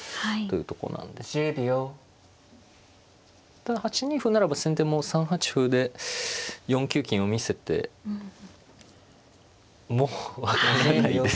ただ８二歩ならば先手も３八歩で４九金を見せても分からないです。